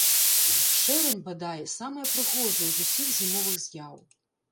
Шэрань, бадай, самая прыгожая з усіх зімовых з'яў.